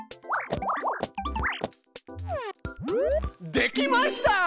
できました！